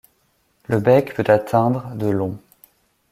Le bec peut atteindre de long.